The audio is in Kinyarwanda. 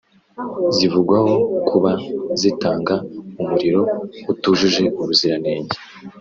zivugwaho kuba zitanga umuriro utujuje ubuziranenge